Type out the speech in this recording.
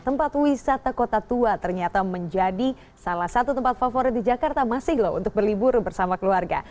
tempat wisata kota tua ternyata menjadi salah satu tempat favorit di jakarta masih loh untuk berlibur bersama keluarga